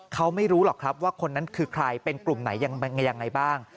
เขาไม่รู้หรอกครับว่าคนนั้นคือใครเป็นกลุ่มไหนยังไงบ้าง